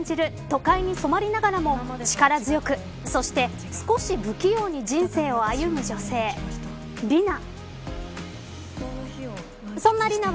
都会に染まりながらも力強くそして、少し不器用に人生を歩む女性、里奈。